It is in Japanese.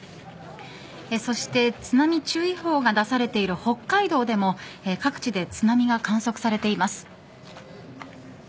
そして津波注意報が出されている北海道でも各地で津波が観測されています。